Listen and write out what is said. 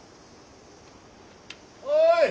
・おい！